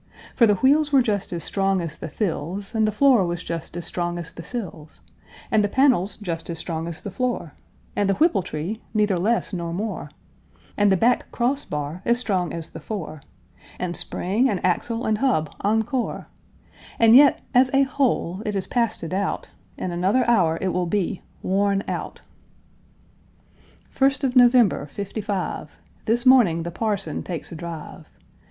For the wheels were just as strong as the thills, And the floor was just as strong as the sills, And the panels just as strong as the floor, And the whipple tree neither less nor more, And the back crossbar as strong as the fore, And the spring and axle and hub encore. And yet, as a whole, it is past a doubt In another hour it will be worn out! First of November, 'Fifty five! This morning the parson takes a drive.